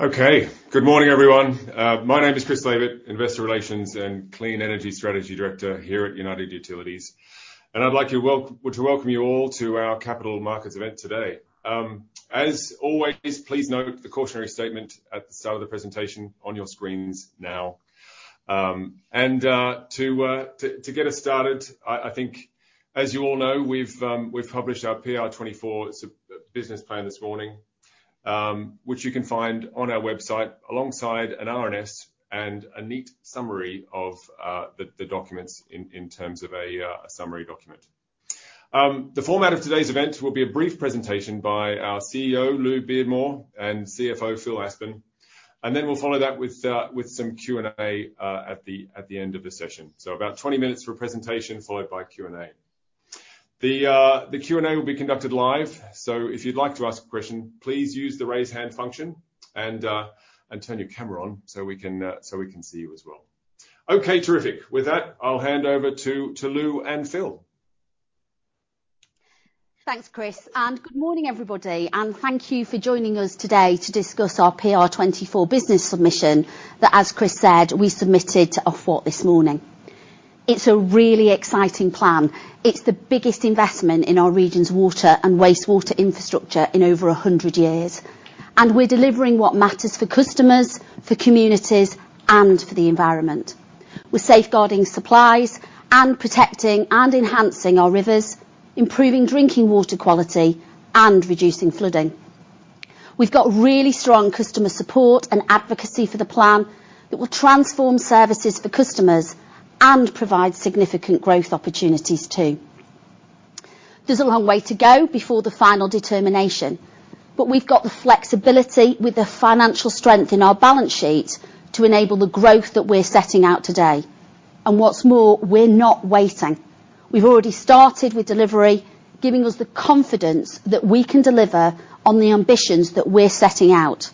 Okay. Good morning, everyone. My name is Chris Laybutt, Investor Relations and Clean Energy Strategy Director here at United Utilities. And I'd like to welcome you all to our capital markets event today. As always, please note the cautionary statement at the start of the presentation on your screens now. And, to get us started, I think, as you all know, we've published our PR24 business plan this morning, which you can find on our website, alongside an RNS and a neat summary of the documents in terms of a summary document. The format of today's event will be a brief presentation by our CEO, Louise Beardmore, and CFO, Phil Aspin. And then we'll follow that with some Q&A at the end of the session. So about 20 minutes for a presentation, followed by Q&A. The, the Q&A will be conducted live, so if you'd like to ask a question, please use the Raise Hand function, and, and turn your camera on, so we can, so we can see you as well. Okay, terrific. With that, I'll hand over to, to Lou and Phil. Thanks, Chris, and good morning, everybody, and thank you for joining us today to discuss our PR24 business submission that, as Chris said, we submitted to Ofwat this morning. It's a really exciting plan. It's the biggest investment in our region's water and wastewater infrastructure in over 100 years, and we're delivering what matters for customers, for communities, and for the environment. We're safeguarding supplies and protecting and enhancing our rivers, improving drinking water quality, and reducing flooding. We've got really strong customer support and advocacy for the plan that will transform services for customers and provide significant growth opportunities, too. There's a long way to go before the final determination, but we've got the flexibility with the financial strength in our balance sheet to enable the growth that we're setting out today. And what's more, we're not waiting. We've already started with delivery, giving us the confidence that we can deliver on the ambitions that we're setting out,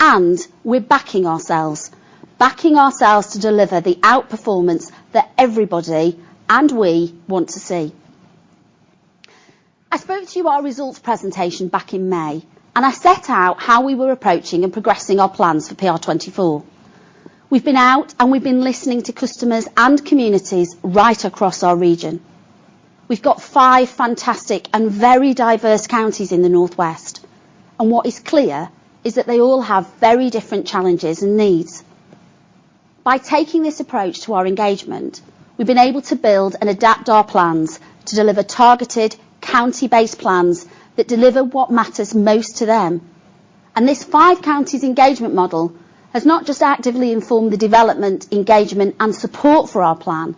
and we're backing ourselves, backing ourselves to deliver the outperformance that everybody and we want to see. I spoke to our results presentation back in May, and I set out how we were approaching and progressing our plans for PR24. We've been out, and we've been listening to customers and communities right across our region. We've got five fantastic and very diverse counties in the North West, and what is clear is that they all have very different challenges and needs. By taking this approach to our engagement, we've been able to build and adapt our plans to deliver targeted county-based plans that deliver what matters most to them. This five counties engagement model has not just actively informed the development, engagement, and support for our plan,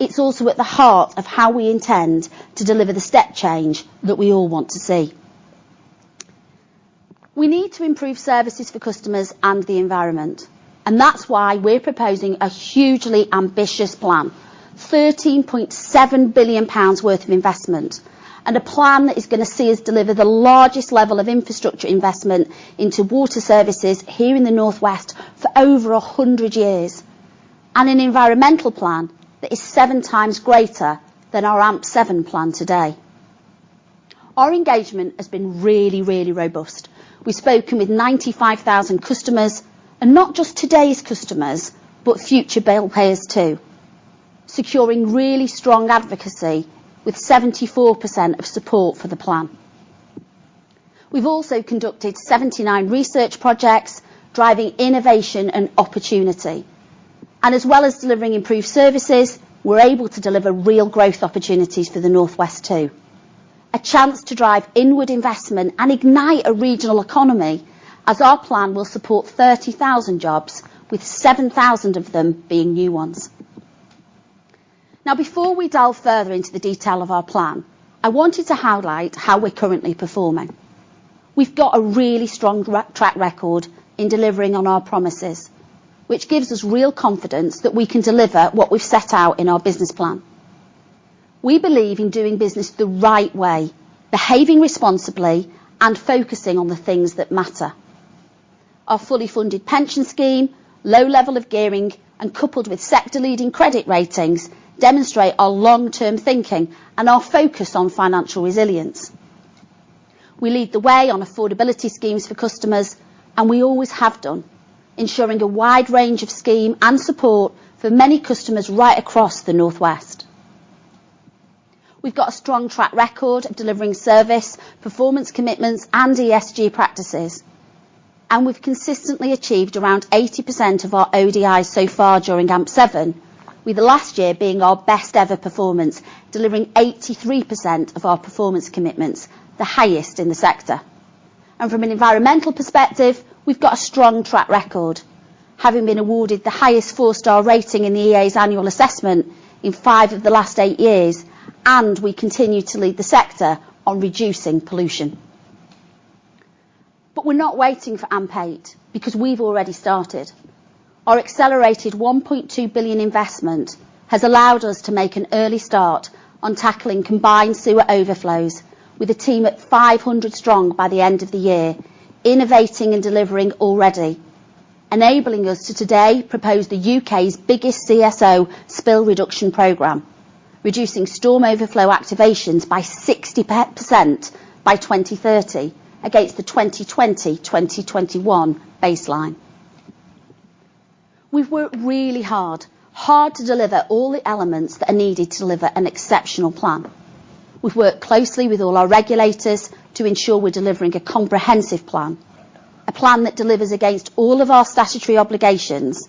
it's also at the heart of how we intend to deliver the step change that we all want to see. We need to improve services for customers and the environment, and that's why we're proposing a hugely ambitious plan, 13.7 billion pounds worth of investment, and a plan that is gonna see us deliver the largest level of infrastructure investment into water services here in the North West for over 100 years, and an environmental plan that is seven times greater than our AMP7 plan today. Our engagement has been really, really robust. We've spoken with 95,000 customers, and not just today's customers, but future bill payers, too, securing really strong advocacy, with 74% of support for the plan. We've also conducted 79 research projects, driving innovation and opportunity, and as well as delivering improved services, we're able to deliver real growth opportunities for the North West, too. A chance to drive inward investment and ignite a regional economy, as our plan will support 30,000 jobs, with 7,000 of them being new ones. Now, before we delve further into the detail of our plan, I wanted to highlight how we're currently performing. We've got a really strong track record in delivering on our promises, which gives us real confidence that we can deliver what we've set out in our business plan. We believe in doing business the right way, behaving responsibly, and focusing on the things that matter. Our fully funded pension scheme, low level of gearing, and coupled with sector leading credit ratings, demonstrate our long-term thinking and our focus on financial resilience. We lead the way on affordability schemes for customers, and we always have done, ensuring a wide range of scheme and support for many customers right across the North West. We've got a strong track record of delivering service, performance, commitments, and ESG practices, and we've consistently achieved around 80% of our ODIs so far during AMP7, with the last year being our best ever performance, delivering 83% of our performance commitments, the highest in the sector. From an environmental perspective, we've got a strong track record, having been awarded the highest four-star rating in the EA's annual assessment in five of the last eight years, and we continue to lead the sector on reducing pollution. But we're not waiting for AMP8, because we've already started. Our accelerated 1.2 billion investment has allowed us to make an early start on tackling combined sewer overflows with a team at 500 strong by the end of the year, innovating and delivering already... enabling us to today propose the UK's biggest CSO spill reduction program, reducing storm overflow activations by 60% by 2030, against the 2020, 2021 baseline. We've worked really hard, hard to deliver all the elements that are needed to deliver an exceptional plan. We've worked closely with all our regulators to ensure we're delivering a comprehensive plan, a plan that delivers against all of our statutory obligations,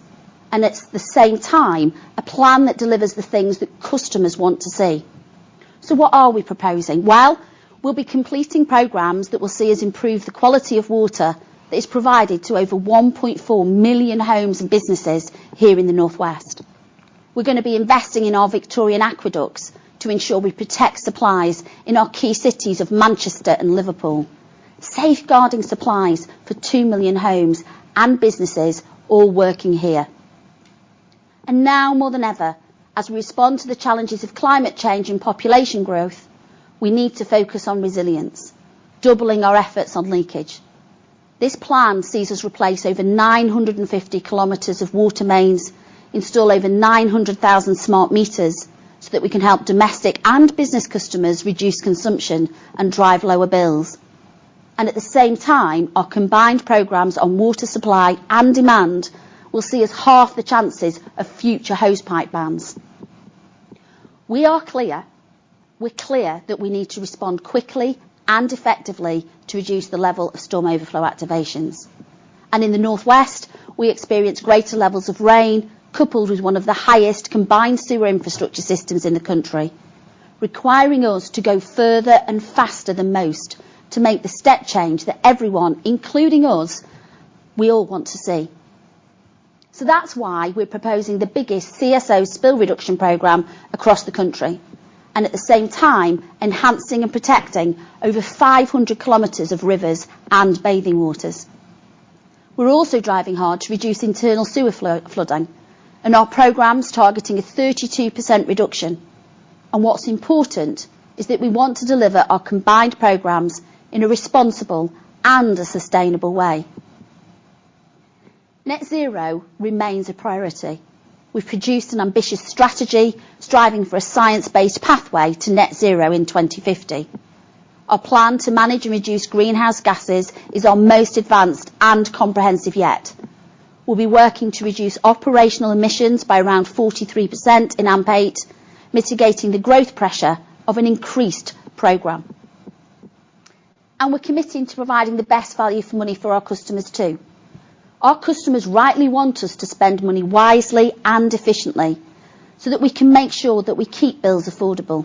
and at the same time, a plan that delivers the things that customers want to see. So what are we proposing? Well, we'll be completing programs that will see us improve the quality of water that is provided to over 1.4 million homes and businesses here in the North West. We're gonna be investing in our Victorian aqueducts to ensure we protect supplies in our key cities of Manchester and Liverpool, safeguarding supplies for 2 million homes and businesses all working here. And now, more than ever, as we respond to the challenges of climate change and population growth, we need to focus on resilience, doubling our efforts on leakage. This plan sees us replace over 950 kilometers of water mains, install over 900,000 smart meters, so that we can help domestic and business customers reduce consumption and drive lower bills. And at the same time, our combined programs on water supply and demand will see us half the chances of future hosepipe bans. We are clear, we're clear that we need to respond quickly and effectively to reduce the level of storm overflow activations. In the North West, we experience greater levels of rain, coupled with one of the highest combined sewer infrastructure systems in the country, requiring us to go further and faster than most to make the step change that everyone, including us, we all want to see. That's why we're proposing the biggest CSO spill reduction program across the country, and at the same time, enhancing and protecting over 500 kilometers of rivers and bathing waters. We're also driving hard to reduce internal sewer flooding, and our programs targeting a 32% reduction. What's important is that we want to deliver our combined programs in a responsible and a sustainable way. Net zero remains a priority. We've produced an ambitious strategy, striving for a science-based pathway to net zero in 2050. Our plan to manage and reduce greenhouse gases is our most advanced and comprehensive yet. We'll be working to reduce operational emissions by around 43% in AMP8, mitigating the growth pressure of an increased program. We're committing to providing the best value for money for our customers, too. Our customers rightly want us to spend money wisely and efficiently, so that we can make sure that we keep bills affordable.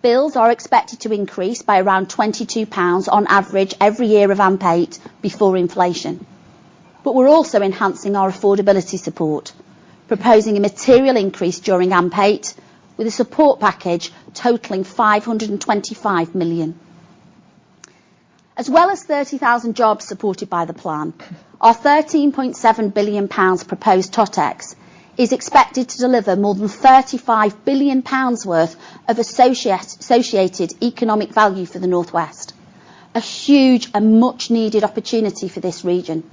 Bills are expected to increase by around 22 pounds on average every year of AMP8, before inflation. We're also enhancing our affordability support, proposing a material increase during AMP8, with a support package totaling 525 million. As well as 30,000 jobs supported by the plan, our 13.7 billion pounds proposed TOTEX is expected to deliver more than 35 billion pounds worth of associated economic value for the North West, a huge and much-needed opportunity for this region.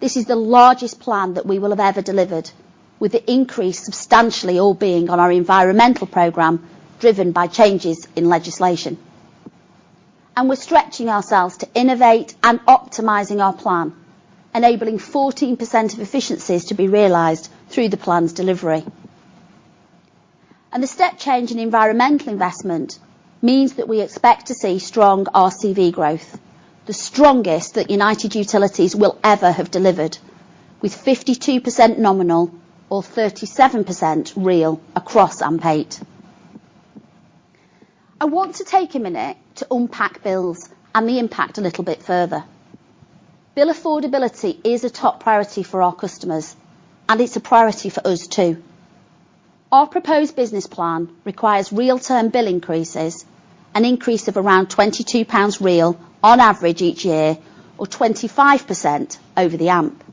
This is the largest plan that we will have ever delivered, with the increase substantially all being on our environmental program, driven by changes in legislation. We're stretching ourselves to innovate and optimizing our plan, enabling 14% of efficiencies to be realized through the plan's delivery. The step change in environmental investment means that we expect to see strong RCV growth, the strongest that United Utilities will ever have delivered, with 52% nominal or 37% real across AMP8. I want to take a minute to unpack bills and the impact a little bit further. Bill affordability is a top priority for our customers, and it's a priority for us, too. Our proposed business plan requires real-term bill increases, an increase of around 22 pounds real on average each year, or 25% over the AMP.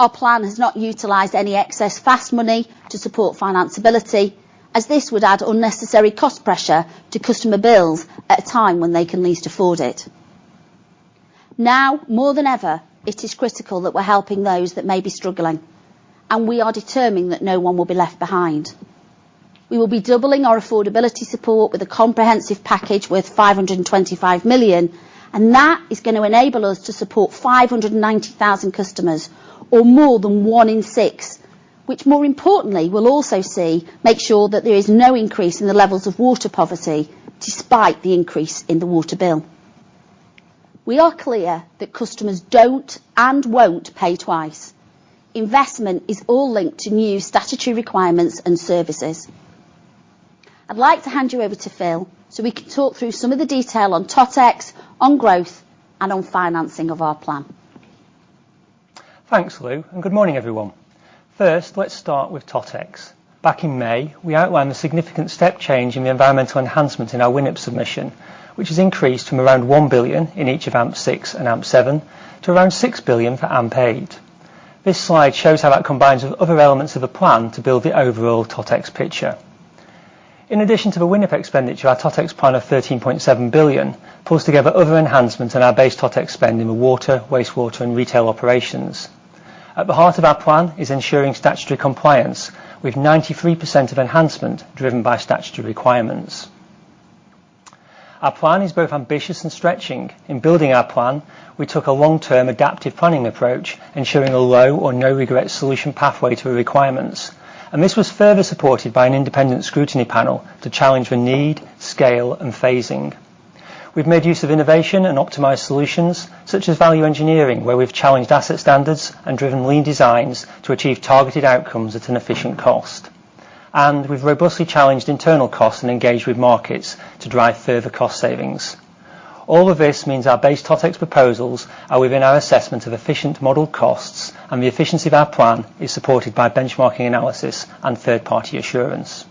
Our plan has not utilized any excess fast money to support financability, as this would add unnecessary cost pressure to customer bills at a time when they can least afford it. Now, more than ever, it is critical that we're helping those that may be struggling, and we are determined that no one will be left behind. We will be doubling our affordability support with a comprehensive package worth 525 million, and that is gonna enable us to support 590,000 customers, or more than one in six, which, more importantly, will also see, make sure that there is no increase in the levels of water poverty despite the increase in the water bill. We are clear that customers don't and won't pay twice. Investment is all linked to new statutory requirements and services. I'd like to hand you over to Phil so we can talk through some of the detail on TOTEX, on growth, and on financing of our plan. Thanks, Lou, and good morning, everyone. First, let's start with TOTEX. Back in May, we outlined a significant step change in the environmental enhancement in our WINEP submission, which has increased from around 1 billion in each of AMP6 and AMP7 to around 6 billion for AMP8. This slide shows how that combines with other elements of the plan to build the overall TOTEX picture.... In addition to the WINEP expenditure, our TOTEX plan of 13.7 billion pulls together other enhancements in our base TOTEX spend in the water, wastewater, and retail operations. At the heart of our plan is ensuring statutory compliance, with 93% of enhancement driven by statutory requirements. Our plan is both ambitious and stretching. In building our plan, we took a long-term adaptive planning approach, ensuring a low or no regret solution pathway to the requirements. This was further supported by an independent scrutiny panel to challenge the need, scale, and phasing. We've made use of innovation and optimized solutions, such as value engineering, where we've challenged asset standards and driven lean designs to achieve targeted outcomes at an efficient cost. We've robustly challenged internal costs and engaged with markets to drive further cost savings. All of this means our base TOTEX proposals are within our assessment of efficient model costs, and the efficiency of our plan is supported by benchmarking analysis and third-party assurance.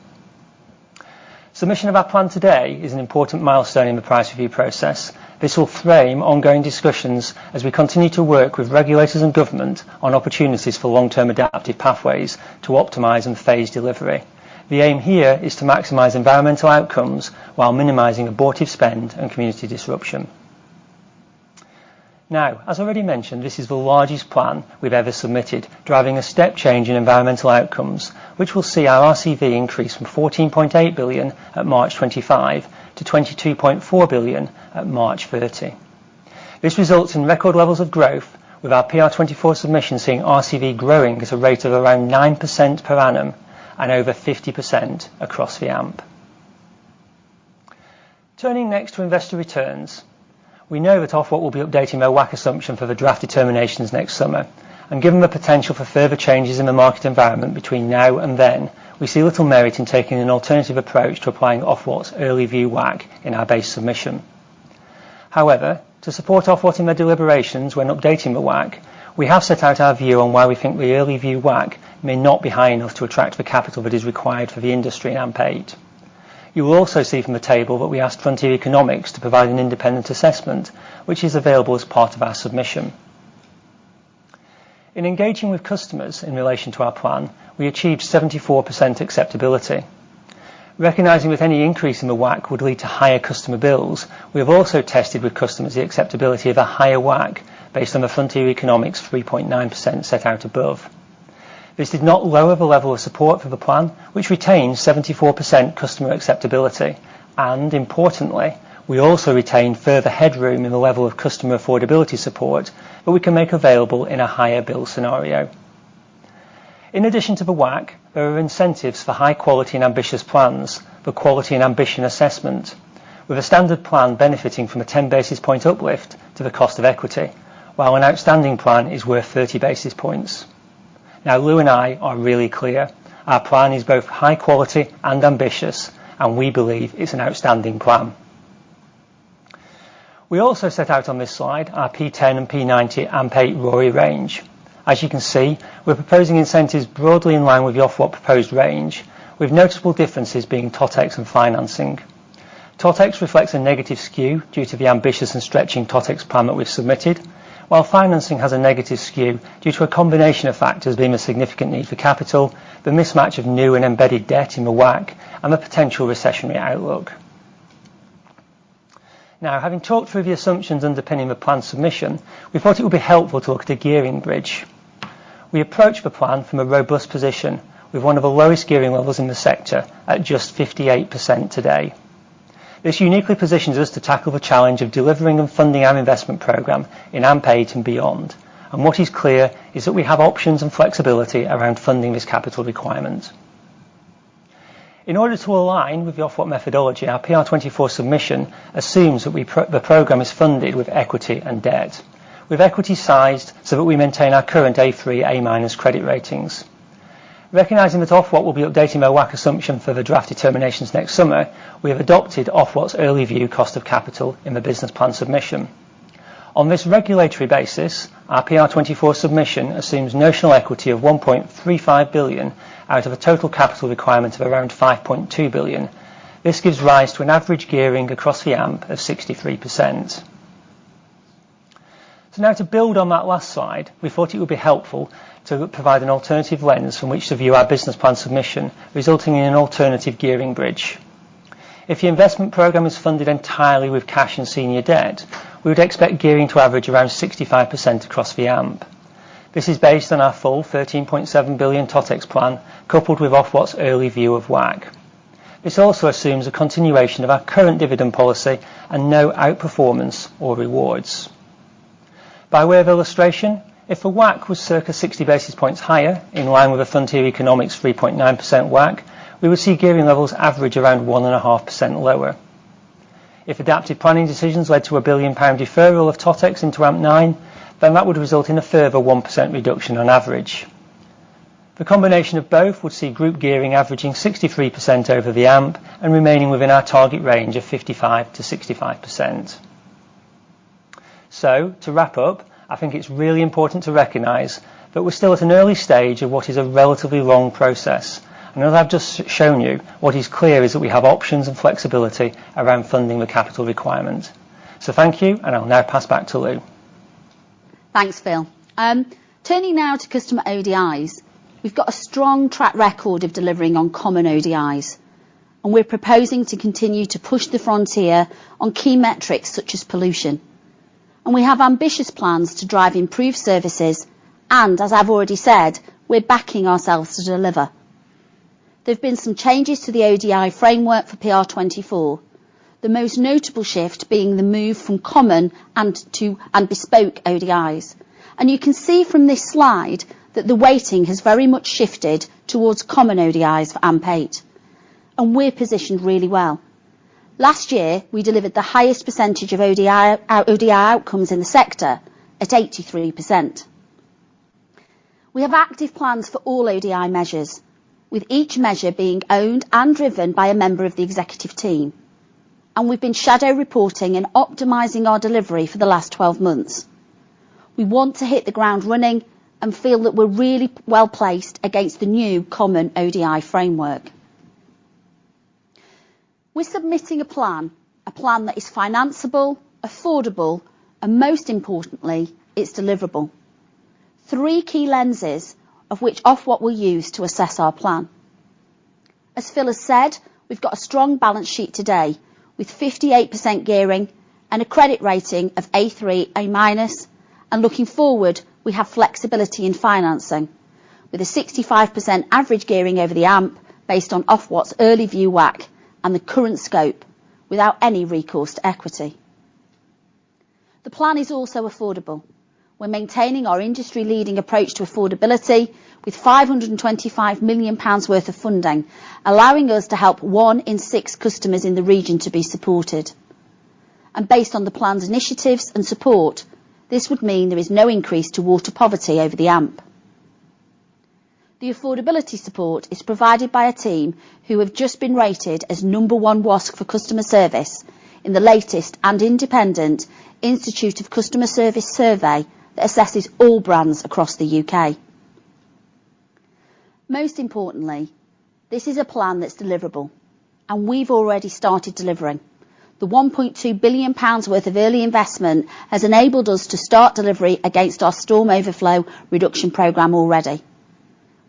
Submission of our plan today is an important milestone in the price review process. This will frame ongoing discussions as we continue to work with regulators and government on opportunities for long-term adaptive pathways to optimize and phase delivery. The aim here is to maximize environmental outcomes while minimizing abortive spend and community disruption. Now, as already mentioned, this is the largest plan we've ever submitted, driving a step change in environmental outcomes, which will see our RCV increase from 14.8 billion at March 2025 to 22.4 billion at March 2030. This results in record levels of growth, with our PR24 submission seeing RCV growing at a rate of around 9% per annum and over 50% across the AMP. Turning next to investor returns, we know that Ofwat will be updating their WACC assumption for the draft determinations next summer, and given the potential for further changes in the market environment between now and then, we see little merit in taking an alternative approach to applying Ofwat's early view WACC in our base submission. However, to support Ofwat in their deliberations when updating the WACC, we have set out our view on why we think the early view WACC may not be high enough to attract the capital that is required for the industry in AMP8. You will also see from the table that we asked Frontier Economics to provide an independent assessment, which is available as part of our submission. In engaging with customers in relation to our plan, we achieved 74% acceptability. Recognizing with any increase in the WACC would lead to higher customer bills, we have also tested with customers the acceptability of a higher WACC based on the Frontier Economics 3.9% set out above. This did not lower the level of support for the plan, which retains 74% customer acceptability, and importantly, we also retained further headroom in the level of customer affordability support that we can make available in a higher bill scenario. In addition to the WACC, there are incentives for high quality and ambitious plans, the quality and ambition assessment, with a standard plan benefiting from a 10 basis point uplift to the cost of equity, while an outstanding plan is worth 30 basis points. Now, Lou and I are really clear. Our plan is both high quality and ambitious, and we believe it's an outstanding plan. We also set out on this slide our P10 and P90 AMP8 ROE range. As you can see, we're proposing incentives broadly in line with the Ofwat proposed range, with notable differences being TotEx and financing. TOTEX reflects a negative skew due to the ambitious and stretching TOTEX plan that we've submitted, while financing has a negative skew due to a combination of factors, being a significant need for capital, the mismatch of new and embedded debt in the WACC, and the potential recessionary outlook. Now, having talked through the assumptions underpinning the plan submission, we thought it would be helpful to look at a gearing bridge. We approach the plan from a robust position, with one of the lowest gearing levels in the sector at just 58% today. This uniquely positions us to tackle the challenge of delivering and funding our investment program in AMP8 and beyond. What is clear is that we have options and flexibility around funding this capital requirement. In order to align with the Ofwat methodology, our PR24 submission assumes that the program is funded with equity and debt, with equity sized so that we maintain our current A3, A- credit ratings. Recognizing that Ofwat will be updating our WACC assumption for the draft determinations next summer, we have adopted Ofwat's early view cost of capital in the business plan submission. On this regulatory basis, our PR24 submission assumes notional equity of 1.35 billion out of a total capital requirement of around 5.2 billion. This gives rise to an average gearing across the AMP of 63%. So now to build on that last slide, we thought it would be helpful to provide an alternative lens from which to view our business plan submission, resulting in an alternative gearing bridge. If the investment program is funded entirely with cash and senior debt, we would expect gearing to average around 65% across the AMP. This is based on our full 13.7 billion TotEx plan, coupled with Ofwat's early view of WACC. This also assumes a continuation of our current dividend policy and no outperformance or rewards. By way of illustration, if the WACC was circa 60 basis points higher, in line with the Frontier Economics 3.9% WACC, we would see gearing levels average around 1.5% lower. If adaptive planning decisions led to a 1 billion pound deferral of TotEx into AMP9, then that would result in a further 1% reduction on average. The combination of both would see group gearing averaging 63% over the AMP and remaining within our target range of 55%-65%. So to wrap up, I think it's really important to recognize that we're still at an early stage of what is a relatively long process. And as I've just shown you, what is clear is that we have options and flexibility around funding the capital requirement. So thank you, and I'll now pass back to Lou.... Thanks, Phil. Turning now to customer ODIs. We've got a strong track record of delivering on common ODIs, and we're proposing to continue to push the frontier on key metrics such as pollution. And we have ambitious plans to drive improved services, and as I've already said, we're backing ourselves to deliver. There have been some changes to the ODI framework for PR24, the most notable shift being the move from common and bespoke ODIs. And you can see from this slide that the weighting has very much shifted towards common ODIs for AMP8, and we're positioned really well. Last year, we delivered the highest percentage of ODI, our ODI outcomes in the sector at 83%. We have active plans for all ODI measures, with each measure being owned and driven by a member of the executive team, and we've been shadow reporting and optimizing our delivery for the last 12 months. We want to hit the ground running and feel that we're really well-placed against the new common ODI framework. We're submitting a plan, a plan that is financiable, affordable, and most importantly, it's deliverable. Three key lenses of which Ofwat we use to assess our plan. As Phil has said, we've got a strong balance sheet today, with 58% gearing and a credit rating of A3, A-, and looking forward, we have flexibility in financing, with a 65% average gearing over the AMP, based on Ofwat's early view WACC and the current scope, without any recourse to equity. The plan is also affordable. We're maintaining our industry-leading approach to affordability, with 525 million pounds worth of funding, allowing us to help one in six customers in the region to be supported. Based on the plan's initiatives and support, this would mean there is no increase to water poverty over the AMP. The affordability support is provided by a team who have just been rated as number one WASC for customer service in the latest and independent Institute of Customer Service survey that assesses all brands across the UK. Most importantly, this is a plan that's deliverable, and we've already started delivering. The 1.2 billion pounds worth of early investment has enabled us to start delivery against our storm overflow reduction program already.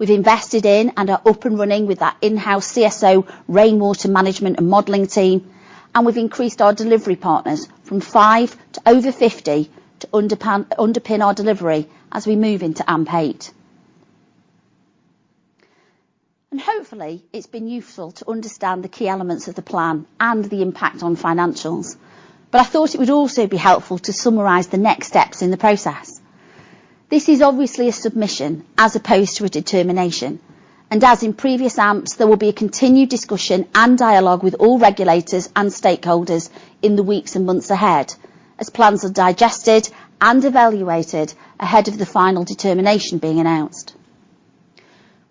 We've invested in and are up and running with our in-house CSO, rainwater management and modeling team, and we've increased our delivery partners from 5 to over 50 to underpin our delivery as we move into AMP8. Hopefully, it's been useful to understand the key elements of the plan and the impact on financials, but I thought it would also be helpful to summarize the next steps in the process. This is obviously a submission as opposed to a determination, and as in previous AMPs, there will be a continued discussion and dialogue with all regulators and stakeholders in the weeks and months ahead, as plans are digested and evaluated ahead of the final determination being announced.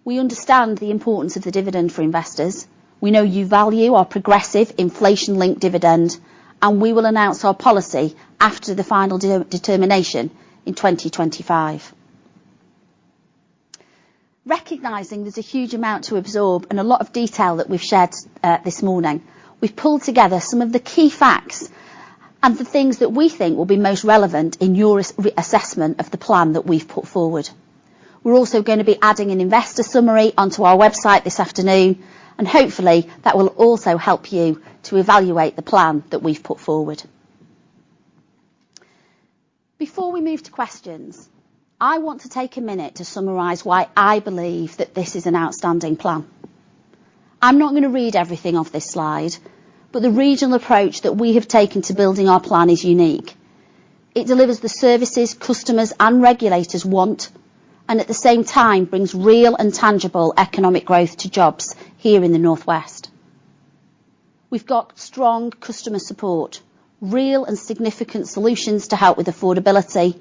We understand the importance of the dividend for investors. We know you value our progressive inflation-linked dividend, and we will announce our policy after the final determination in 2025. Recognizing there's a huge amount to absorb and a lot of detail that we've shared this morning, we've pulled together some of the key facts and the things that we think will be most relevant in your assessment of the plan that we've put forward. We're also gonna be adding an investor summary onto our website this afternoon, and hopefully, that will also help you to evaluate the plan that we've put forward. Before we move to questions, I want to take a minute to summarize why I believe that this is an outstanding plan. I'm not gonna read everything off this slide, but the regional approach that we have taken to building our plan is unique. It delivers the services customers and regulators want, and at the same time, brings real and tangible economic growth to jobs here in the North West. We've got strong customer support, real and significant solutions to help with affordability,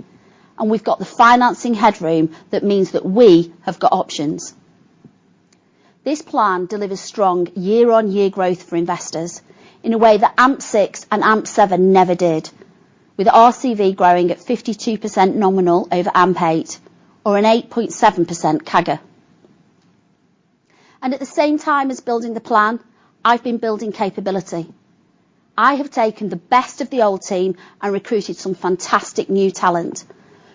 and we've got the financing headroom that means that we have got options. This plan delivers strong year-on-year growth for investors in a way that AMP6 and AMP7 never did, with RCV growing at 52% nominal over AMP8 or an 8.7% CAGR. And at the same time as building the plan, I've been building capability. I have taken the best of the old team and recruited some fantastic new talent,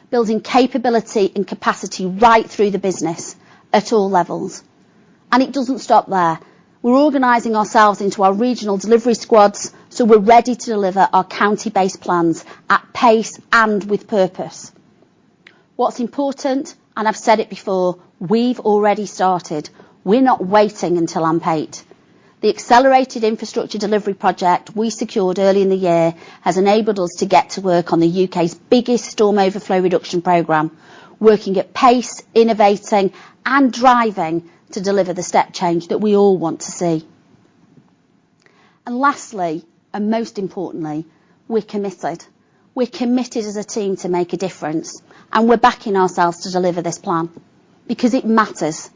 building capability and capacity right through the business at all levels. And it doesn't stop there. We're organizing ourselves into our regional delivery squads, so we're ready to deliver our county-based plans at pace and with purpose. What's important, and I've said it before, we've already started. We're not waiting until AMP8. The Accelerated Infrastructure Delivery project we secured early in the year has enabled us to get to work on the UK's biggest storm overflow reduction program, working at pace, innovating, and driving to deliver the step change that we all want to see. And lastly, and most importantly, we're committed. We're committed as a team to make a difference, and we're backing ourselves to deliver this plan because it matters.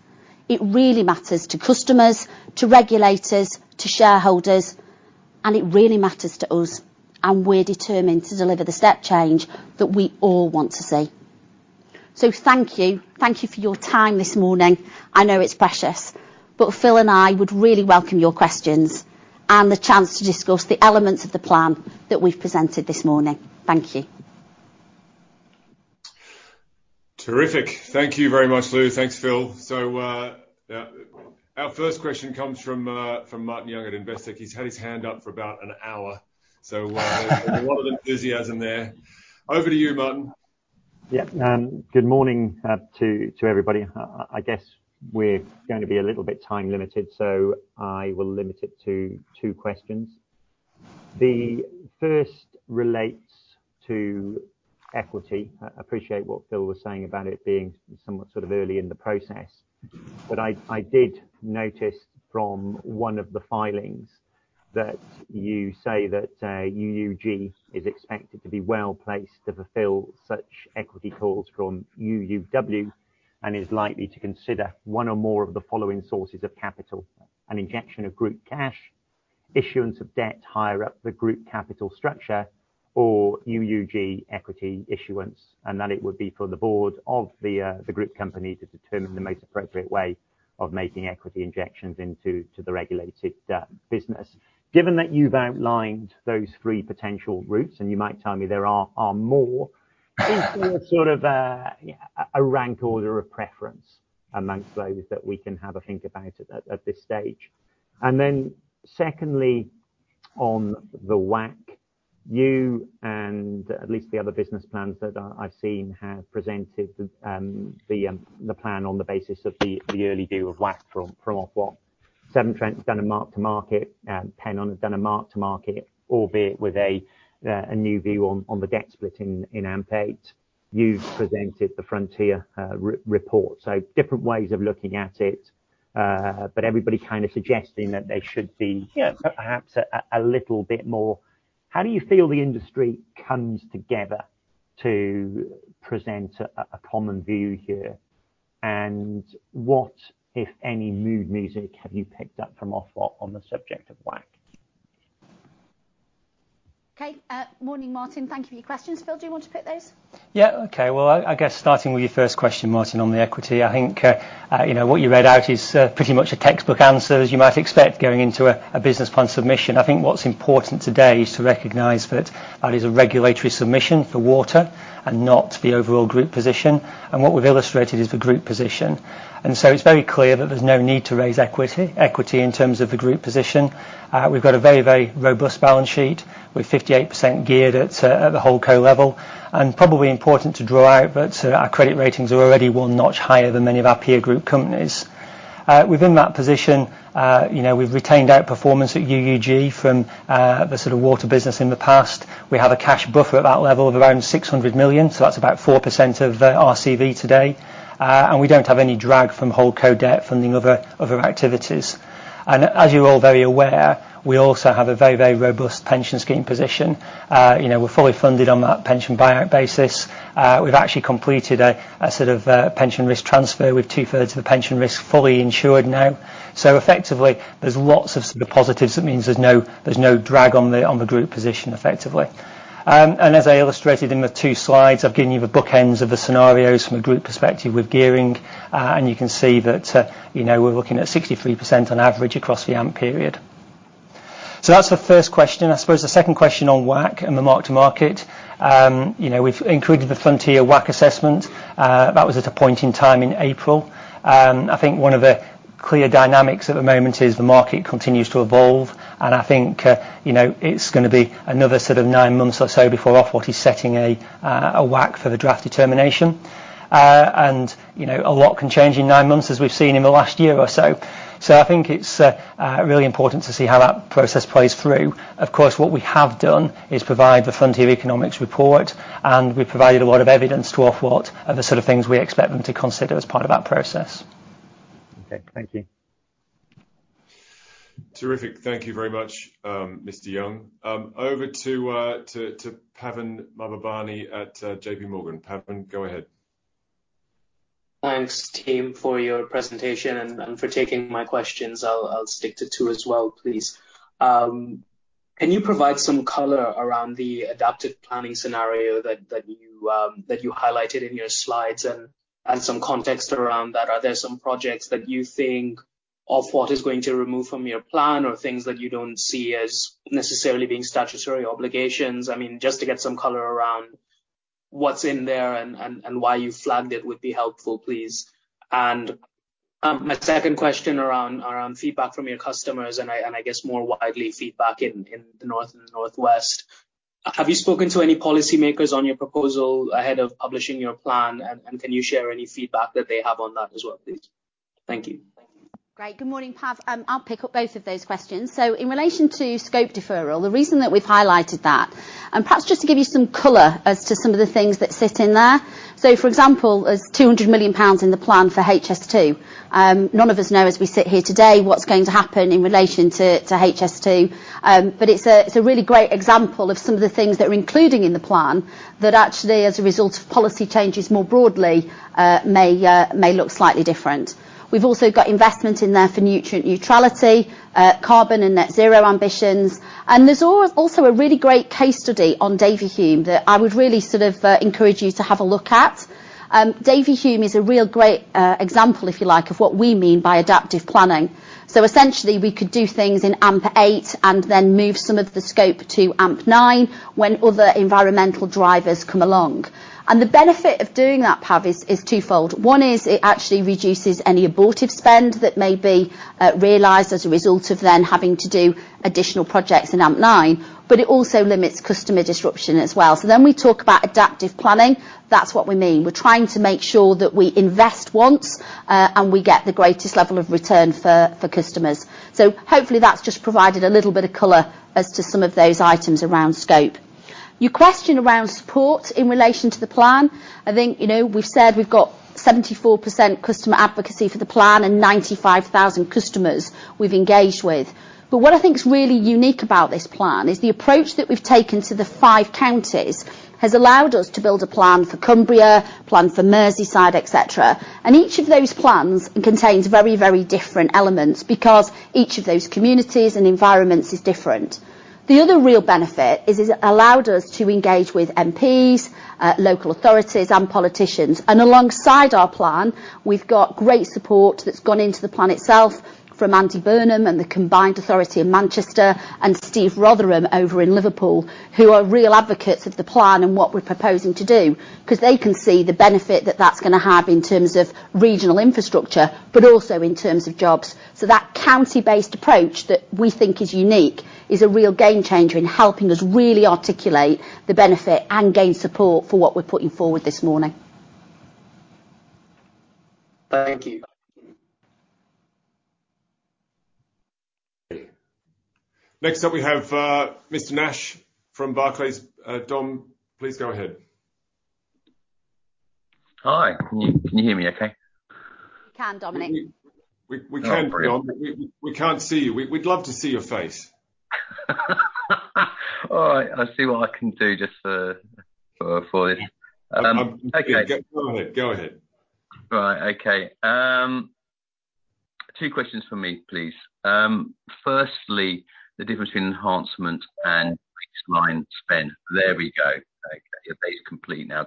It really matters to customers, to regulators, to shareholders, and it really matters to us, and we're determined to deliver the step change that we all want to see.... So thank you. Thank you for your time this morning. I know it's precious, but Phil and I would really welcome your questions and the chance to discuss the elements of the plan that we've presented this morning. Thank you. Terrific. Thank you very much, Lou. Thanks, Phil. So, yeah, our first question comes from Martin Young at Investec. He's had his hand up for about an hour, so a lot of enthusiasm there. Over to you, Martin. Yeah, good morning, to everybody. I guess we're going to be a little bit time limited, so I will limit it to two questions. The first relates to equity. I appreciate what Phil was saying about it being somewhat sort of early in the process, but I did notice from one of the filings that you say that, UUG is expected to be well-placed to fulfill such equity calls from UUW, and is likely to consider one or more of the following sources of capital: an injection of group cash, issuance of debt higher up the group capital structure, or UUG equity issuance, and that it would be for the board of the, the group company to determine the most appropriate way of making equity injections into, to the regulated, business. Given that you've outlined those three potential routes, and you might tell me there are more, is there a sort of rank order or preference amongst those that we can have a think about at this stage? And then, secondly, on the WACC, you and at least the other business plans that I've seen have presented the plan on the basis of the early view of WACC from Ofwat. Severn Trent's done a mark to market, Pennon has done a mark to market, albeit with a new view on the debt split in AMP8. You've presented the Frontier report, so different ways of looking at it, but everybody kind of suggesting that there should be, yeah, perhaps a little bit more. How do you feel the industry comes together to present a common view here? And what, if any, mood music have you picked up from Ofwat on the subject of WACC? Okay. Morning, Martin. Thank you for your questions. Phil, do you want to pick those? Yeah. Okay. Well, I guess starting with your first question, Martin, on the equity, I think you know, what you read out is pretty much a textbook answer, as you might expect, going into a business plan submission. I think what's important today is to recognize that that is a regulatory submission for water and not the overall group position, and what we've illustrated is the group position. And so it's very clear that there's no need to raise equity, equity in terms of the group position. We've got a very, very robust balance sheet with 58% geared at the whole co level, and probably important to draw out, but our credit ratings are already one notch higher than many of our peer group companies. Within that position, you know, we've retained outperformance at UUG from the sort of water business in the past. We have a cash buffer at that level of around 600 million, so that's about 4% of RCV today. We don't have any drag from whole co debt from the other activities. As you're all very aware, we also have a very, very robust pension scheme position. You know, we're fully funded on that pension buy-out basis. We've actually completed a sort of pension risk transfer, with two-thirds of the pension risk fully insured now. So effectively, there's lots of sort of positives. That means there's no drag on the group position, effectively. And as I illustrated in the two slides, I've given you the bookends of the scenarios from a group perspective with gearing, and you can see that, you know, we're looking at 63% on average across the AMP period. So that's the first question. I suppose the second question on WACC and the mark to market, you know, we've included the Frontier WACC assessment. That was at a point in time in April. I think one of the clear dynamics at the moment is the market continues to evolve, and I think, you know, it's gonna be another sort of nine months or so before Ofwat is setting a WACC for the draft determination. And, you know, a lot can change in nine months, as we've seen in the last year or so. So I think it's really important to see how that process plays through. Of course, what we have done is provide the Frontier Economics report, and we provided a lot of evidence to Ofwat of the sort of things we expect them to consider as part of that process. Okay. Thank you. Terrific. Thank you very much, Mr. Young. Over to Pavan Mahbubani at J.P. Morgan. Pavan, go ahead. Thanks, team, for your presentation and for taking my questions. I'll stick to two as well, please. Can you provide some color around the adaptive planning scenario that you highlighted in your slides and some context around that? Are there some projects that you think Ofwat is going to remove from your plan, or things that you don't see as necessarily being statutory obligations? I mean, just to get some color around what's in there and why you flagged it would be helpful, please. And my second question around feedback from your customers, and I guess more widely, feedback in the north and northwest. Have you spoken to any policymakers on your proposal ahead of publishing your plan, and can you share any feedback that they have on that as well, please? Thank you. Great. Good morning, Pav. I'll pick up both of those questions. So in relation to scope deferral, the reason that we've highlighted that. Perhaps just to give you some color as to some of the things that sit in there. So, for example, there's 200 million pounds in the plan for HS2. None of us know as we sit here today, what's going to happen in relation to HS2. But it's a really great example of some of the things that we're including in the plan that actually, as a result of policy changes more broadly, may look slightly different. We've also got investment in there for nutrient neutrality, carbon and net zero ambitions, and there's also a really great case study on Davyhulme that I would really sort of encourage you to have a look at. Davyhulme is a real great example, if you like, of what we mean by adaptive planning. So essentially, we could do things in AMP eight and then move some of the scope to AMP nine when other environmental drivers come along. And the benefit of doing that, Pav, is twofold. One is it actually reduces any abortive spend that may be realized as a result of then having to do additional projects in AMP nine, but it also limits customer disruption as well. So when we talk about adaptive planning, that's what we mean. We're trying to make sure that we invest once and we get the greatest level of return for customers. So hopefully, that's just provided a little bit of color as to some of those items around scope. Your question around support in relation to the plan, I think, you know, we've said we've got 74% customer advocacy for the plan and 95,000 customers we've engaged with. But what I think is really unique about this plan, is the approach that we've taken to the 5 counties, has allowed us to build a plan for Cumbria, a plan for Merseyside, et cetera. And each of those plans contains very, very different elements, because each of those communities and environments is different. The other real benefit is it allowed us to engage with MPs, local authorities, and politicians. And alongside our plan, we've got great support that's gone into the plan itself from Andy Burnham and the combined authority of Manchester and Steve Rotheram over in Liverpool, who are real advocates of the plan and what we're proposing to do, 'cause they can see the benefit that that's gonna have in terms of regional infrastructure, but also in terms of jobs. So that county-based approach, that we think is unique, is a real game changer in helping us really articulate the benefit and gain support for what we're putting forward this morning. Thank you. Next up, we have Mr. Nash from Barclays. Dom, please go ahead. Hi, can you, can you hear me okay? We can, Dominic. We can, Dom. Oh, great. We can't see you. We'd love to see your face. All right, I'll see what I can do just for this. Okay. Go, go ahead. Go ahead. Right. Okay. Two questions for me, please. Firstly, the difference between enhancement and baseline spend. There we go. Okay, the base complete now.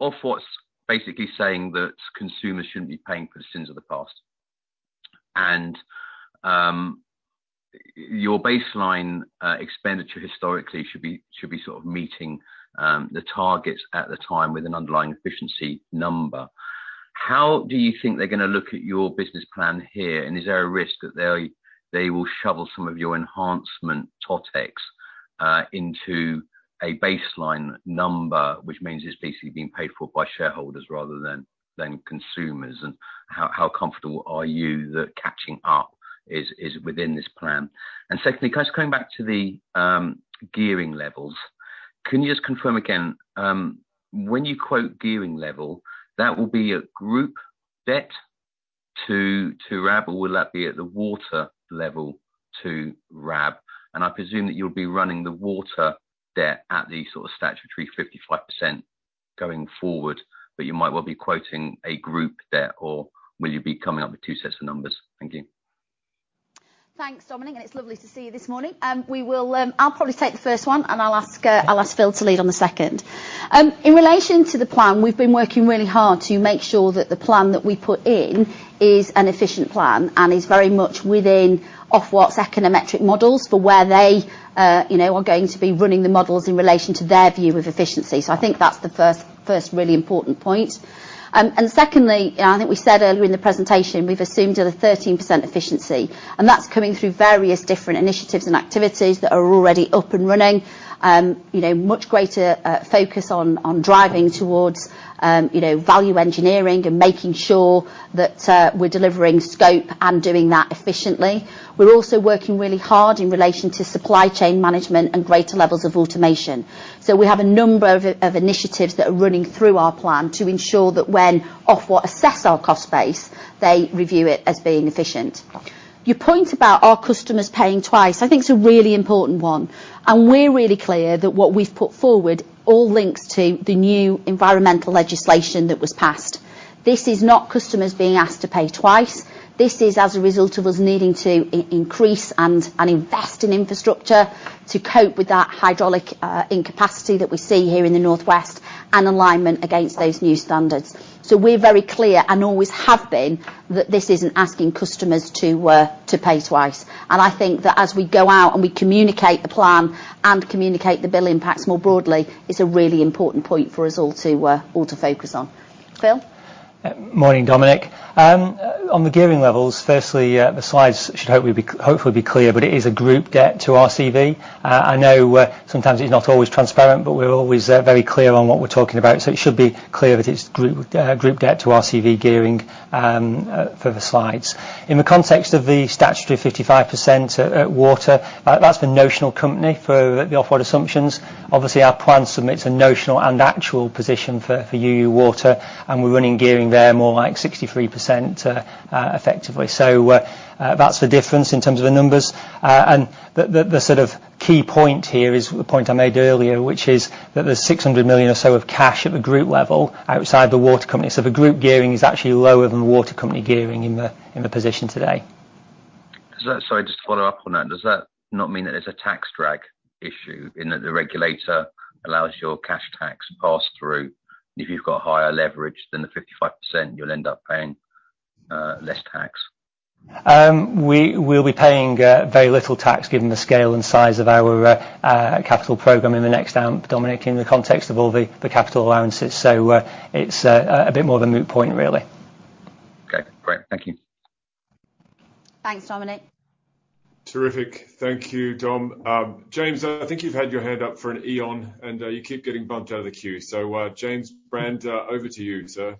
Ofwat's basically saying that consumers shouldn't be paying for the sins of the past. And your baseline expenditure historically should be sort of meeting the targets at the time with an underlying efficiency number. How do you think they're gonna look at your business plan here? And is there a risk that they will shovel some of your enhancement TOTEX into a baseline number, which means it's basically being paid for by shareholders rather than consumers, and how comfortable are you that catching up is within this plan? And secondly, can I just come back to the gearing levels. Can you just confirm again, when you quote gearing level, that will be a group debt to RAB, or will that be at the water level to RAB? I presume that you'll be running the water debt at the sort of statutory 55% going forward, but you might well be quoting a group debt, or will you be coming up with two sets of numbers? Thank you. Thanks, Dominic, and it's lovely to see you this morning. We will, I'll probably take the first one, and I'll ask, I'll ask Phil to lead on the second. In relation to the plan, we've been working really hard to make sure that the plan that we put in is an efficient plan and is very much within Ofwat's econometric models for where they, you know, are going to be running the models in relation to their view of efficiency. So I think that's the first, first really important point. And secondly, I think we said earlier in the presentation, we've assumed a 13% efficiency, and that's coming through various different initiatives and activities that are already up and running. You know, much greater focus on driving towards, you know, value engineering and making sure that we're delivering scope and doing that efficiently. We're also working really hard in relation to supply chain management and greater levels of automation. So we have a number of initiatives that are running through our plan to ensure that when Ofwat assess our cost base, they review it as being efficient. Your point about our customers paying twice, I think is a really important one, and we're really clear that what we've put forward all links to the new environmental legislation that was passed. This is not customers being asked to pay twice. This is as a result of us needing to increase and invest in infrastructure to cope with that hydraulic incapacity that we see here in the North West, and alignment against those new standards. We're very clear, and always have been, that this isn't asking customers to pay twice. I think that as we go out and we communicate the plan and communicate the bill impacts more broadly, it's a really important point for us all to all to focus on. Phil? Morning, Dominic. On the gearing levels, firstly, the slides should hopefully be clear, but it is a group debt to RCV. I know, sometimes it's not always transparent, but we're always very clear on what we're talking about, so it should be clear that it's group debt to RCV gearing for the slides. In the context of the statutory 55% at water, that's the notional company for the Ofwat assumptions. Obviously, our plan submits a notional and actual position for UU Water, and we're running gearing there, more like 63% effectively. So, that's the difference in terms of the numbers. The sort of key point here is the point I made earlier, which is that there's 600 million or so of cash at the group level outside the water company. So the group gearing is actually lower than the water company gearing in the position today.... Does that, sorry, just to follow up on that, does that not mean that there's a tax drag issue, in that the regulator allows your cash tax to pass through? If you've got higher leverage than the 55%, you'll end up paying less tax. We'll be paying very little tax, given the scale and size of our capital program in the next AMP, Dominic, in the context of all the capital allowances. So, it's a bit more of a moot point, really. Okay, great. Thank you. Thanks, Dominic. Terrific. Thank you, Dom. James, I think you've had your hand up for an eon, and you keep getting bumped out of the queue. So, James Brand, over to you, sir.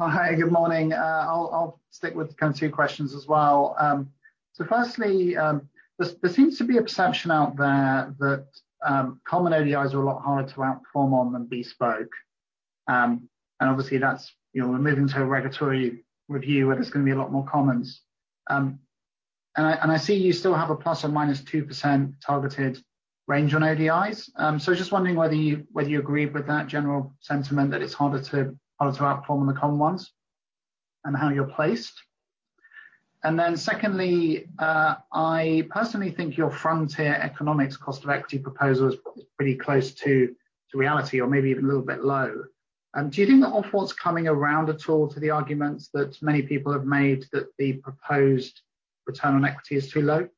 Oh, hi, good morning. I'll stick with the kind of two questions as well. So firstly, there seems to be a perception out there that common ODIs are a lot harder to outperform on than bespoke. And obviously that's, you know, we're moving to a regulatory review, where there's gonna be a lot more commons. And I see you still have a ±2% targeted range on ODIs. So just wondering whether you agree with that general sentiment, that it's harder to outperform on the common ones, and how you're placed? And then secondly, I personally think your Frontier Economics cost of equity proposal is pretty close to reality or maybe even a little bit low. Do you think the Ofwat's coming around at all to the arguments that many people have made, that the proposed return on equity is too low?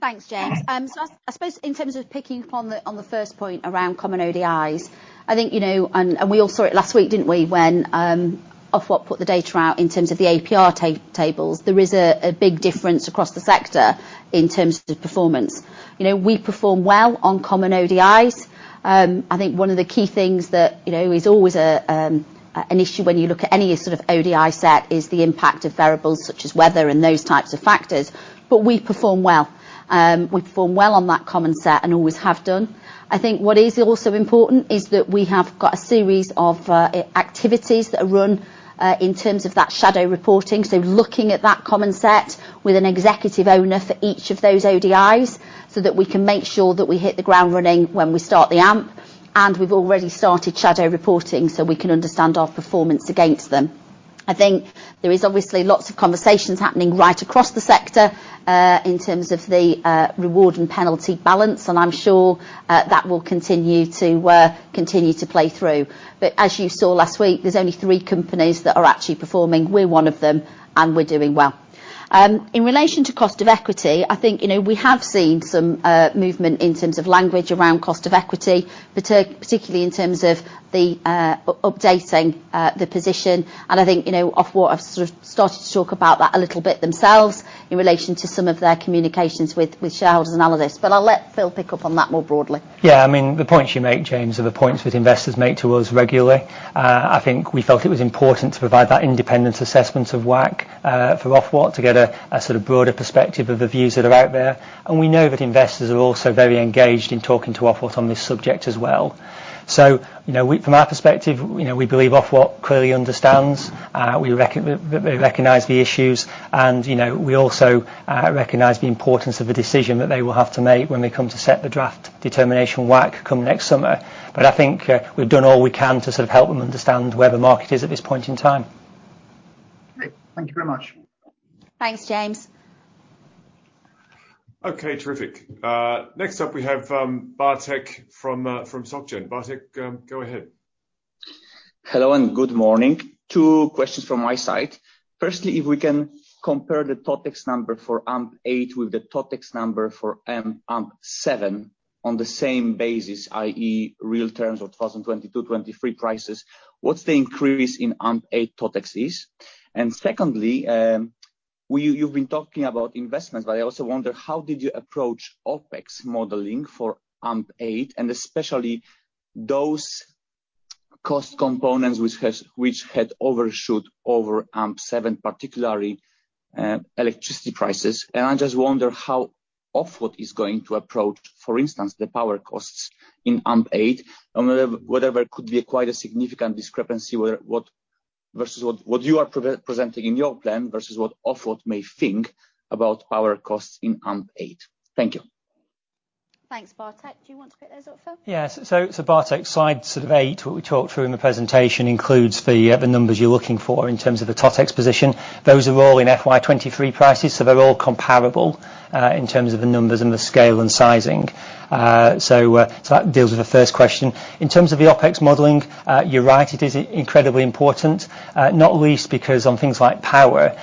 Thanks, James. So I suppose in terms of picking up on the first point around common ODIs, I think, you know, and we all saw it last week, didn't we? When Ofwat put the data out in terms of the APR tables. There is a big difference across the sector in terms of the performance. You know, we perform well on common ODIs. I think one of the key things that, you know, is always an issue when you look at any sort of ODI set, is the impact of variables such as weather and those types of factors, but we perform well. We perform well on that common set and always have done. I think what is also important is that we have got a series of activities that are run in terms of that shadow reporting. So looking at that common set with an executive owner for each of those ODIs, so that we can make sure that we hit the ground running when we start the AMP, and we've already started shadow reporting, so we can understand our performance against them. I think there is obviously lots of conversations happening right across the sector in terms of the reward and penalty balance, and I'm sure that will continue to continue to play through. But as you saw last week, there's only three companies that are actually performing. We're one of them, and we're doing well. In relation to cost of equity, I think, you know, we have seen some movement in terms of language around cost of equity, particularly in terms of the updating the position. I think, you know, Ofwat have sort of started to talk about that a little bit themselves in relation to some of their communications with shareholders and analysts. But I'll let Phil pick up on that more broadly. Yeah, I mean, the points you make, James, are the points that investors make to us regularly. I think we felt it was important to provide that independent assessment of WACC, for Ofwat to get a sort of broader perspective of the views that are out there. And we know that investors are also very engaged in talking to Ofwat on this subject as well. So you know, we-- from our perspective, you know, we believe Ofwat clearly understands, we recognize the issues, and, you know, we also recognize the importance of the decision that they will have to make when they come to set the draft determination WACC, come next summer. But I think, we've done all we can to sort of help them understand where the market is at this point in time. Great. Thank you very much. Thanks, James. Okay, terrific. Next up, we have Bartek from SocGen. Bartek, go ahead. Hello, and good morning. Two questions from my side. Firstly, if we can compare the TOTEX number for AMP8 with the TOTEX number for AMP7 on the same basis, i.e., real terms of 2020 to 2023 prices, what's the increase in AMP8 TOTEX? And secondly, you've been talking about investments, but I also wonder how did you approach OpEx modeling for AMP8, and especially those cost components which had overshoot over AMP7, particularly electricity prices. And I just wonder how Ofwat is going to approach, for instance, the power costs in AMP8, and whether there could be quite a significant discrepancy versus what you are presenting in your plan versus what Ofwat may think about power costs in AMP8. Thank you. Thanks, Bartek. Do you want to pick those up, Phil? Yeah. So, Bartek, slide sort of 8, what we talked through in the presentation includes the numbers you're looking for in terms of the TOTEX position. Those are all in FY 2023 prices, so they're all comparable in terms of the numbers and the scale and sizing. So that deals with the first question. In terms of the OpEx modeling, you're right, it is incredibly important, not least because on things like power,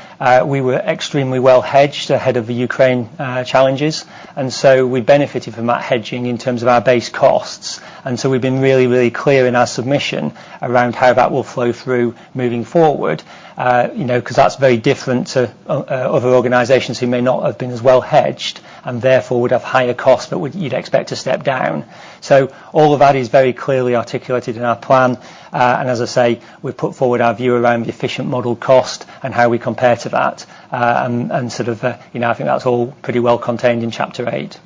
we were extremely well hedged ahead of the Ukraine challenges, and so we benefited from that hedging in terms of our base costs. And so we've been really, really clear in our submission around how that will flow through moving forward. you know, 'cause that's very different to other organizations who may not have been as well hedged, and therefore would have higher costs, but you'd expect to step down. So all of that is very clearly articulated in our plan. As I say, we've put forward our view around the efficient model cost and how we compare to that, and, and sort of, you know, I think that's all pretty well contained in chapter eight.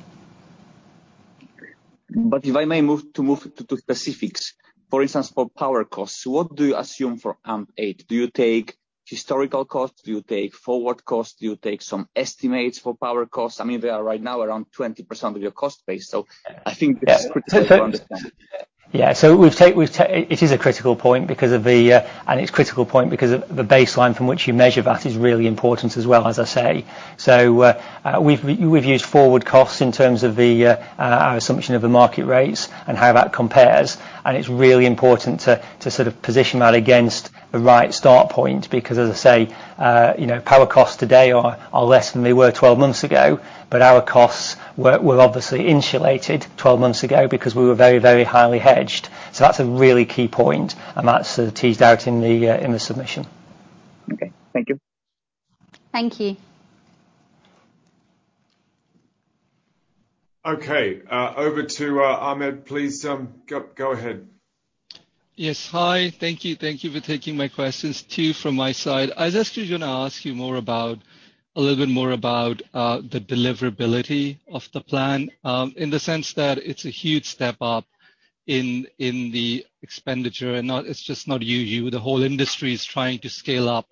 If I may move to specifics. For instance, for power costs, what do you assume for AMP8? Do you take historical costs? Do you take forward costs? Do you take some estimates for power costs? I mean, they are right now around 20% of your cost base, so I think this is critical to understand.... Yeah, so it is a critical point because of the, and it's a critical point because of the baseline from which you measure that is really important as well, as I say. So, we've used forward costs in terms of our assumption of the market rates and how that compares, and it's really important to sort of position that against the right start point, because, as I say, you know, power costs today are less than they were 12 months ago, but our costs were obviously insulated 12 months ago because we were very, very highly hedged. So that's a really key point, and that's sort of teased out in the submission. Okay. Thank you. Thank you. Okay. Over to Ahmed, please, go ahead. Yes, hi. Thank you. Thank you for taking my questions. Two from my side. I just was gonna ask you more about a little bit more about the deliverability of the plan, in the sense that it's a huge step up in the expenditure, and not, it's just not you, the whole industry is trying to scale up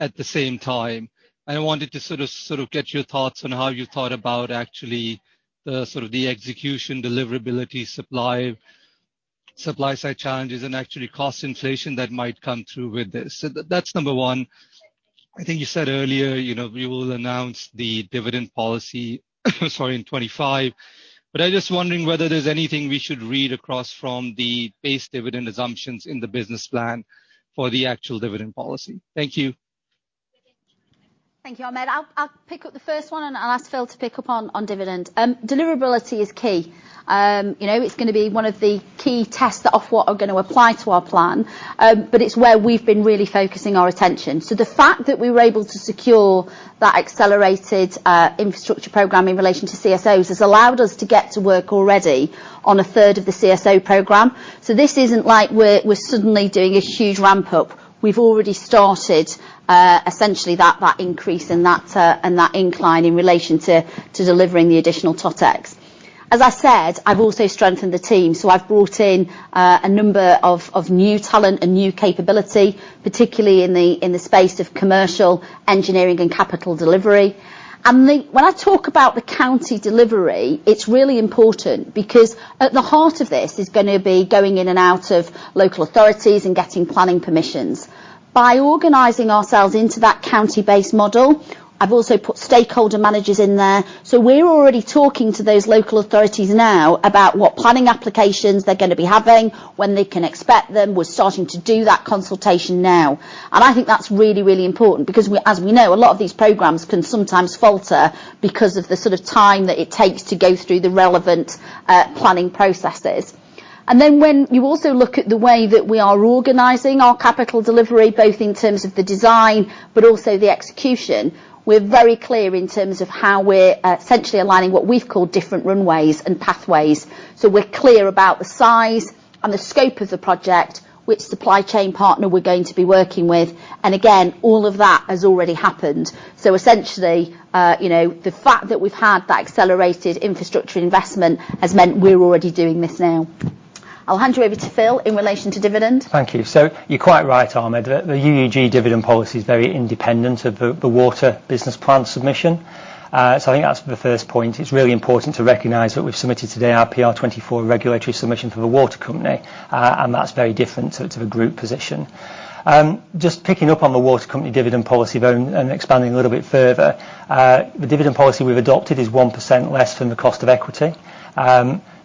at the same time. I wanted to sort of, sort of get your thoughts on how you thought about actually the sort of the execution, deliverability, supply, supply side challenges and actually cost inflation that might come through with this. So that's number one. I think you said earlier, you know, we will announce the dividend policy, sorry, in 25. But I'm just wondering whether there's anything we should read across from the base dividend assumptions in the business plan for the actual dividend policy. Thank you. Thank you, Ahmed. I'll, I'll pick up the first one, and I'll ask Phil to pick up on, on dividend. Deliverability is key. You know, it's gonna be one of the key tests that Ofwat are gonna apply to our plan, but it's where we've been really focusing our attention. So the fact that we were able to secure that accelerated infrastructure program in relation to CSOs has allowed us to get to work already on a third of the CSO program. So this isn't like we're, we're suddenly doing a huge ramp up. We've already started, essentially, that, that increase and that, and that incline in relation to, to delivering the additional TotEx. As I said, I've also strengthened the team, so I've brought in a number of new talent and new capability, particularly in the space of commercial engineering and capital delivery. And then, when I talk about the county delivery, it's really important because at the heart of this is gonna be going in and out of local authorities and getting planning permissions. By organizing ourselves into that county-based model, I've also put stakeholder managers in there. So we're already talking to those local authorities now, about what planning applications they're gonna be having, when they can expect them. We're starting to do that consultation now, and I think that's really, really important because we, as we know, a lot of these programs can sometimes falter because of the sort of time that it takes to go through the relevant planning processes. And then, when you also look at the way that we are organizing our capital delivery, both in terms of the design but also the execution, we're very clear in terms of how we're essentially aligning what we've called different runways and pathways. So we're clear about the size and the scope of the project, which supply chain partner we're going to be working with. And again, all of that has already happened. So essentially, you know, the fact that we've had that accelerated infrastructure investment has meant we're already doing this now. I'll hand you over to Phil in relation to dividend. Thank you. So you're quite right, Ahmed. The UUG dividend policy is very independent of the water business plan submission. So I think that's the first point. It's really important to recognize that we've submitted today our PR24 regulatory submission for the water company, and that's very different to the group position. Just picking up on the water company dividend policy though, and expanding a little bit further, the dividend policy we've adopted is 1% less than the cost of equity.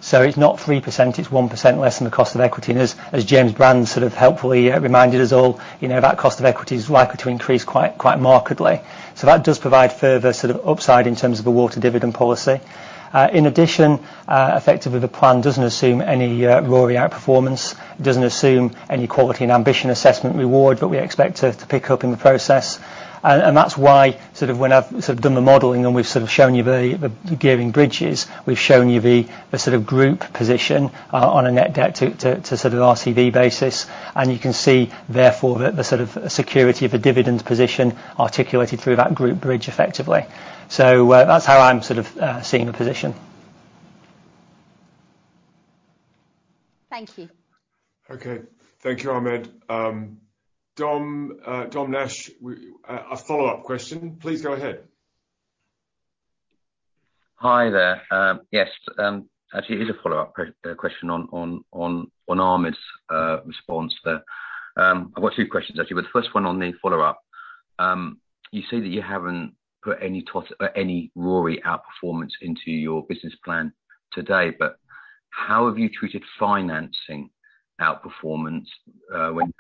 So it's not 3%, it's 1% less than the cost of equity. And as James Brand sort of helpfully reminded us all, you know, that cost of equity is likely to increase quite markedly. So that does provide further sort of upside in terms of the water dividend policy. In addition, effectively, the plan doesn't assume any RoRE outperformance. It doesn't assume any quality and ambition assessment reward that we expect to pick up in the process. And that's why, sort of, when I've sort of done the modeling and we've sort of shown you the bridging, we've shown you the sort of group position on a net debt to sort of RCV basis, and you can see therefore, the sort of security of a dividend position articulated through that group bridge effectively. So, that's how I'm sort of seeing the position. Thank you. Okay. Thank you, Ahmed. Dom, Dom Nash, we, a follow-up question. Please go ahead. Hi there. Yes, actually, it is a follow-up question on Ahmed's response there. I've got two questions actually, but the first one on the follow-up. You say that you haven't put any RoRE outperformance into your business plan today, but how have you treated financing outperformance, when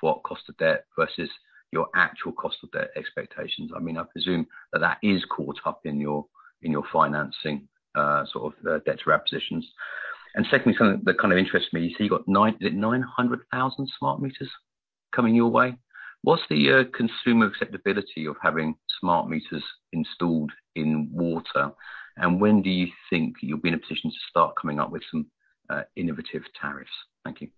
what cost of debt versus your actual cost of debt expectations? I mean, I presume that that is caught up in your financing, sort of, debt to positions. And secondly, something that kind of interests me, you see you got 900,000 smart meters coming your way? What's the consumer acceptability of having smart meters installed in water, and when do you think you'll be in a position to start coming up with some innovative tariffs? Thank you.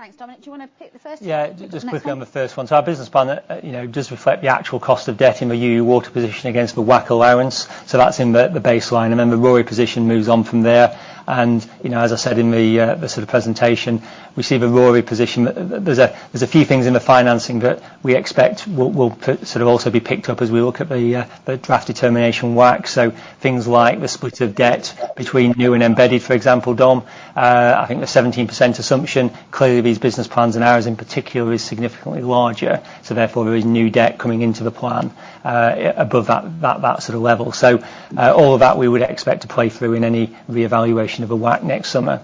Thanks, Dom. Do you wanna pick the first- Yeah. Next one? Just quickly on the first one. So our business plan, you know, does reflect the actual cost of debt in the UU Water position against the WACC allowance, so that's in the baseline. And then the RoRE position moves on from there, and, you know, as I said in the sort of presentation, we see the RoRE position. There's a few things in the financing that we expect will put sort of also be picked up as we look at the draft determination WACC. So things like the split of debt between new and embedded, for example, Dom, I think the 17% assumption, clearly these business plans and ours in particular is significantly larger, so therefore, there is new debt coming into the plan above that sort of level. All of that we would expect to play through in any reevaluation of the WACC next summer....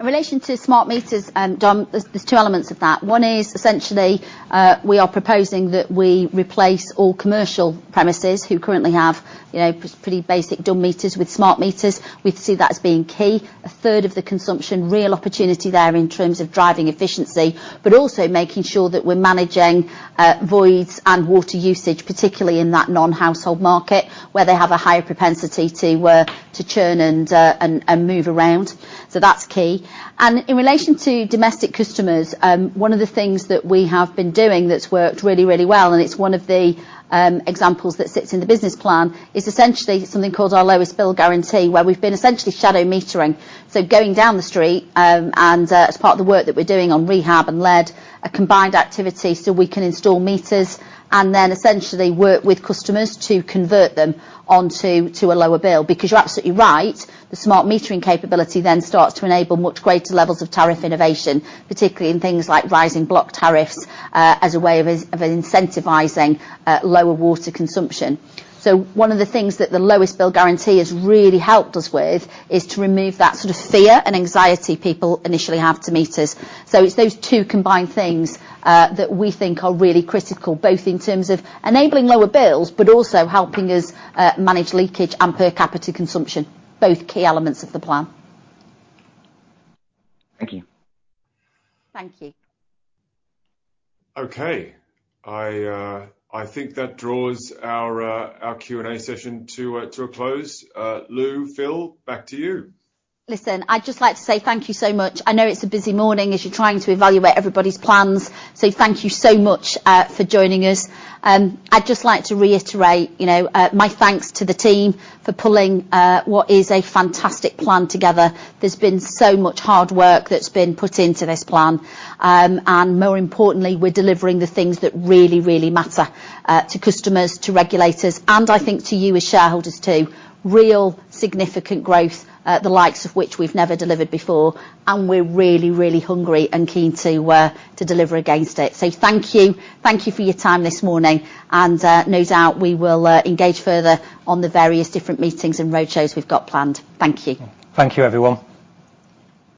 In relation to smart meters, Dom, there's two elements of that. One is, essentially, we are proposing that we replace all commercial premises who currently have, you know, pretty basic dumb meters with smart meters. We see that as being key. A third of the consumption, real opportunity there in terms of driving efficiency, but also making sure that we're managing voids and water usage, particularly in that non-household market, where they have a higher propensity to churn and move around. So that's key. And in relation to domestic customers, one of the things that we have been doing that's worked really, really well, and it's one of the examples that sits in the business plan, is essentially something called our Lowest Bill Guarantee, where we've been essentially shadow metering. So going down the street, as part of the work that we're doing on rehab and lead, a combined activity, so we can install meters and then essentially work with customers to convert them onto, to a lower bill. Because you're absolutely right, the smart metering capability then starts to enable much greater levels of tariff innovation, particularly in things like rising block tariffs, as a way of incentivizing lower water consumption. So one of the things that the Lowest Bill Guarantee has really helped us with is to remove that sort of fear and anxiety people initially have to meters. So it's those two combined things that we think are really critical, both in terms of enabling lower bills, but also helping us manage leakage and per capita consumption, both key elements of the plan. Thank you. Thank you. Okay. I think that draws our Q&A session to a close. Lou, Phil, back to you. Listen, I'd just like to say thank you so much. I know it's a busy morning as you're trying to evaluate everybody's plans, so thank you so much for joining us. I'd just like to reiterate, you know, my thanks to the team for pulling what is a fantastic plan together. There's been so much hard work that's been put into this plan. And more importantly, we're delivering the things that really, really matter to customers, to regulators, and I think to you as shareholders, too. Real significant growth, the likes of which we've never delivered before, and we're really, really hungry and keen to deliver against it. So thank you. Thank you for your time this morning, and no doubt we will engage further on the various different meetings and roadshows we've got planned. Thank you. Thank you, everyone.